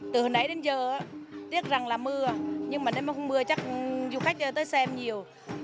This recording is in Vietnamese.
từ hồi nãy đến giờ tiếc rằng là mưa nhưng mà nếu không mưa chắc du khách tới xem nhiều